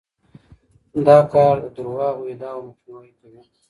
دا کار د دروغو ادعاوو مخنیوی کوي.